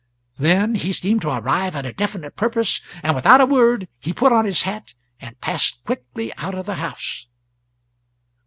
Then he seemed to arrive at a definite purpose; and without a word he put on his hat and passed quickly out of the house.